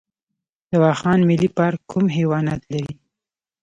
د واخان ملي پارک کوم حیوانات لري؟